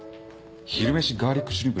昼飯ガーリックシュリンプ